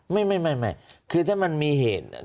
ไม่คือถ้ามันมีเหตุ